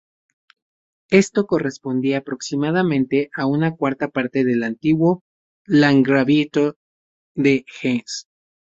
Esto correspondía aproximadamente a una cuarta parte del antiguo Landgraviato de Hesse.